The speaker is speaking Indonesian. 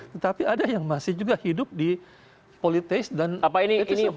tetapi ada yang masih juga hidup di politeis dan apatisme